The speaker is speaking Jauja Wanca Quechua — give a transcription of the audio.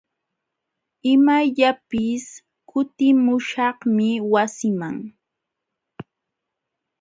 Imayllapis kutimuśhaqmi wasiiman.